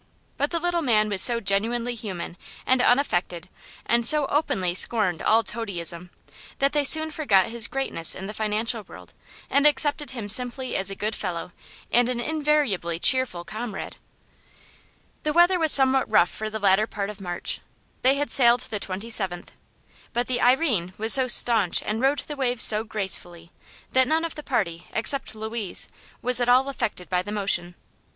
But the little man was so genuinely human and unaffected and so openly scorned all toadyism that they soon forgot his greatness in the financial world and accepted him simply as a good fellow and an invariably cheerful comrade. The weather was somewhat rough for the latter part of March they had sailed the twenty seventh but the "Irene" was so staunch and rode the waves so gracefully that none of the party except Louise was at all affected by the motion.